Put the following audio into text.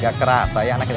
gak kerasa ya anak kita